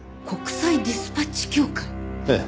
ええ。